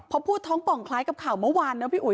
พอพูดท้องป่องคล้ายกับข่าวเมื่อวานนะพี่อุ๋